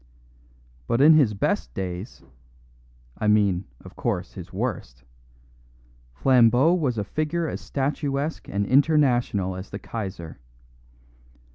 But in his best days (I mean, of course, his worst) Flambeau was a figure as statuesque and international as the Kaiser.